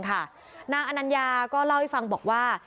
นางอนัญญาก็เล่าให้ฟังบอกว่า